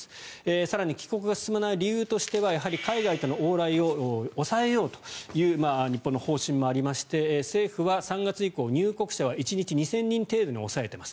更に帰国が進まない理由としては海外との往来を抑えようという日本の方針もありまして政府は３月以降入国者は１日２０００人程度に抑えています。